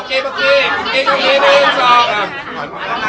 พี่ช่วยด้วยส่งไปได้ไหม